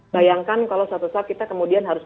bayangkan kalau suatu saat kita kemudian harus